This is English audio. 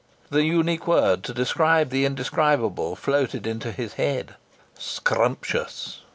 The unique word to describe the indescribable floated into his head: "Scrumptious!"